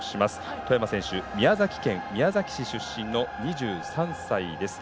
外山選手は宮崎県宮崎市出身の２３歳です。